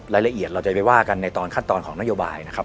รายละเอียดเราจะไปว่ากันในตอนขั้นตอนของนโยบายนะครับ